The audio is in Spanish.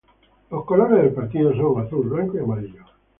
Los colores del partido son azul, blanco y amarillo.